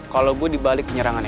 kalo gue dibalik penyerangan edo